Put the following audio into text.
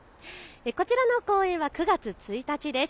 こちらの公演は９月１日です。